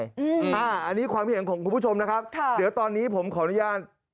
อันนี้ความเห็นของคุณผู้ชมนะครับค่ะเดี๋ยวตอนนี้ผมขออนุญาต